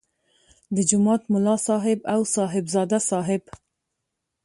د جومات ملا صاحب او صاحبزاده صاحب.